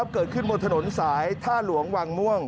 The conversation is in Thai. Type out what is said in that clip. เกิดขึ้นบนถนนสายท่าหลวงวังม่วง